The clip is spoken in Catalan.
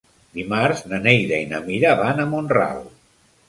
Dimarts na Neida i na Mira van a Mont-ral.